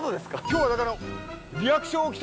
今日はだから。